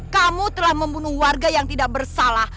kamu telah membunuh warga yang tidak bersalah